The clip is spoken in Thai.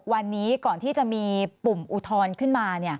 วันนี้ก่อนที่จะมีปุ่มอุทธรณ์ขึ้นมา